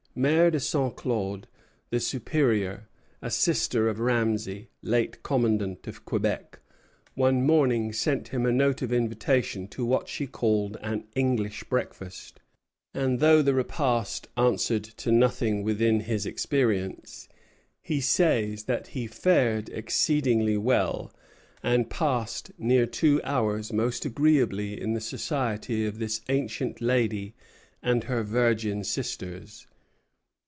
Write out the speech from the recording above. Mère de Sainte Claude, the Superior, a sister of Ramesay, late commandant of Quebec, one morning sent him a note of invitation to what she called an English breakfast; and though the repast answered to nothing within his experience, he says that he "fared exceedingly well, and passed near two hours most agreeably in the society of this ancient lady and her virgin sisters."